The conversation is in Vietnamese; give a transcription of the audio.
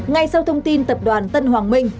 ngay sau thông tin tập đoàn tân hoàng minh